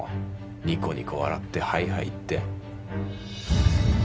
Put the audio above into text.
ニコニコ笑ってはいはい言って